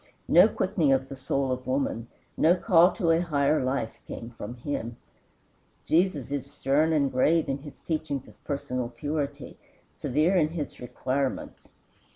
No quickening of the soul of woman, no call to a higher life, came from him. Jesus is stern and grave in his teachings of personal purity, severe in his requirements.